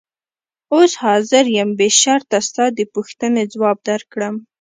اوس حاضر یم بې شرطه ستا د پوښتنې ځواب درکړم.